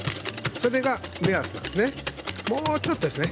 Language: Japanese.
それが目安なんですね。